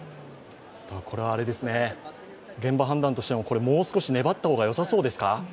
これは現場判断としてももう少し粘った方がよさそうですか。